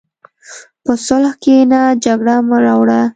په صلح کښېنه، جګړه مه راوړه.